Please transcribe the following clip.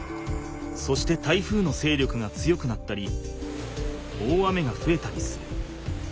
そして台風のせいりょくが強くなったり大雨がふえたりする。